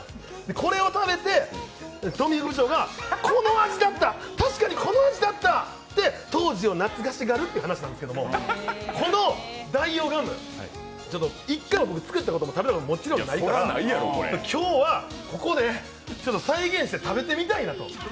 これを食べて、富井副部長が「この味だった、確かにこの味だった」って当時を懐かしがるっていう話なんですけど、この代用ガム、１回、僕、作ったことも食べたことももちろんないから今日はここで再現して食べてみたいなと。